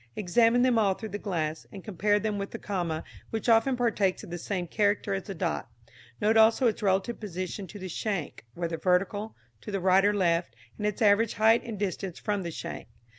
Examine them all through the glass, and compare them with the comma, which often partakes of the same character as the dot. Note also its relative position to the shank, whether vertical, to the right or left, and its average height and distance from the shank.